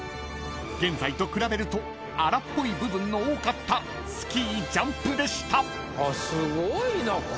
［現在と比べると粗っぽい部分の多かったスキージャンプでした］